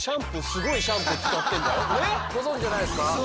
ご存じじゃないですか？